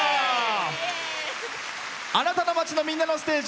あなたの街の、みんなのステージ。